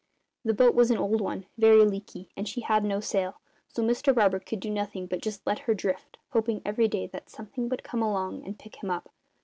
The boat was an old one, very leaky, and she had no sail, so Mr Barber could do nothing but just let her drift, hoping every day that something would come along and pick him up.